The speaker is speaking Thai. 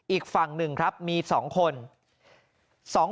อีกฝั่งหนึ่งครับมี๒คน